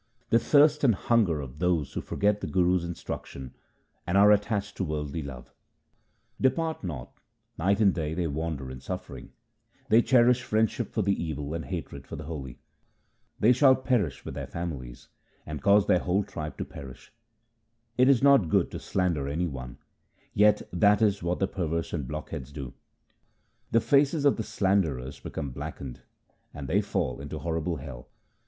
The thirst and hunger of those who forget the Guru's instruction and are attached to worldly love, HYMNS OF GURU AMAR DAS 225 Depart not ; night and day they wander in suffering : They cherish friendship for the evil and hatred for the holy. They shall perish with their families, and cause their whole tribe to perish. It is not good to slander any one ; yet that is what the perverse and blockheads do. The faces of the slanderers become blackened, and they fall into horrible hell.